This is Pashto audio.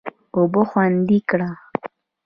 اوبه خوندي کړه.